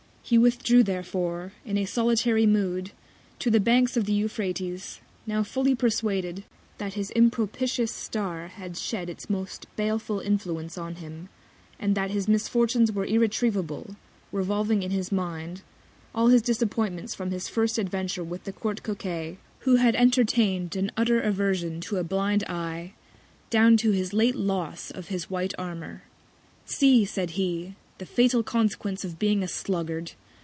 He withdrew therefore, in a solitary Mood, to the Banks of the Euphrates, now fully persuaded, that his impropitious Star had shed its most baleful Influence on him, and that his Misfortunes were irretrievable, revolving in his Mind, all his Disappointments from his first Adventure with the Court Coquet, who had entertain'd an utter Aversion to a blind Eye, down to his late Loss of his white Armour. See! said he, the fatal Consequence of being a Sluggard!